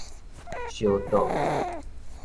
燒桌